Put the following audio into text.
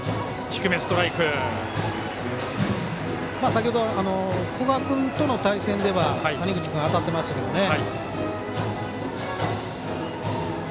先ほど古賀君との対戦では谷口君、当たってましたけどね。